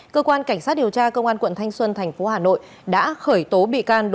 cơ quan cảnh sát điều tra cơ quan quận thanh xuân tp hà nội đã khởi tố bị can